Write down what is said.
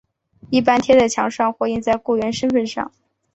一般贴在墙上或印在雇员身份上。